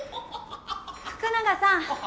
福永さん。